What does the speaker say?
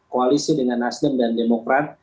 koalisi dengan nasdem dan demokrat